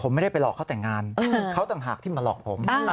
ผมไม่ได้ไปหลอกเขาแต่งงานเขาต่างหากที่มาหลอกผม